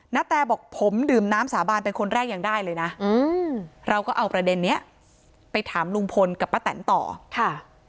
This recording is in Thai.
นาแตบอกผมดื่มน้ำสาบานเป็นคนแรกยังได้เลยนะเราก็เอาประเด็นนี้ไปถามลุงพลกับป้าแตนต่อค่ะ